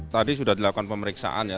tadi sudah dilakukan pemeriksaan ya